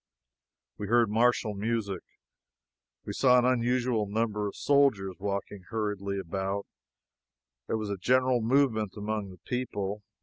We heard martial music we saw an unusual number of soldiers walking hurriedly about there was a general movement among the people.